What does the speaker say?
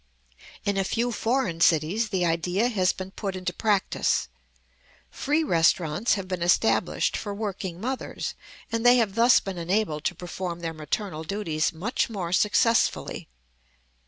In a few foreign cities the idea has been put into practice. Free restaurants have been established for working mothers, and they have thus been enabled to perform their maternal duties much more successfully.